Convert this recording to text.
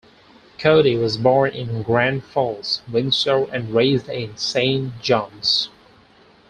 Coady was born in Grand Falls-Windsor and raised in Saint John's.